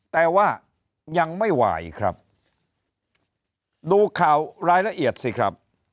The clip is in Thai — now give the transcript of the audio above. แต่ว่ายังไม่ไหวครับดูข่าวรายละเอียดสิครับ